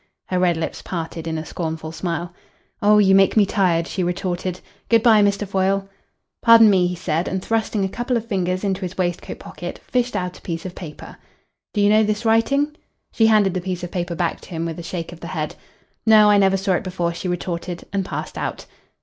Her red lips parted in a scornful smile. "Oh, you make me tired," she retorted. "Good bye, Mr. Foyle." "Pardon me," he said, and thrusting a couple of fingers into his waistcoat pocket, fished out a piece of paper. "Do you know this writing?" She handed the piece of paper back to him with a shake of the head. "No. I never saw it before," she retorted, and passed out.